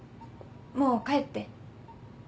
もう帰って。